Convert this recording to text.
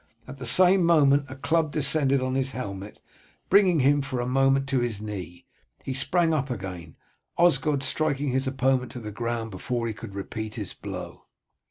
At the same moment a club descended on his helmet, bringing him for a moment to his knee. He sprang up again, Osgod striking his opponent to the ground before he could repeat his blow.